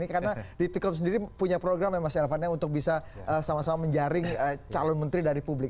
karena detik kom sendiri punya program yang masih elefantnya untuk bisa sama sama menjaring calon menteri dari publik